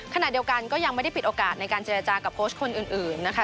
ขณะเดียวกันก็ยังไม่ได้ปิดโอกาสในการเจรจากับโค้ชคนอื่นนะคะ